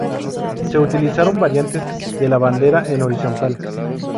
Se utilizaron variantes de la bandera en horizontal.